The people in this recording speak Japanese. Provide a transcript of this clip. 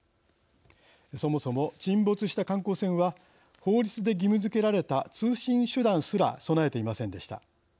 そもそも沈没した観光船は法律で義務づけられた通信手段すら備えていませんでした。